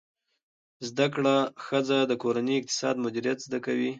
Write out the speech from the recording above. زده کړه ښځه د کورني اقتصاد مدیریت زده کوي.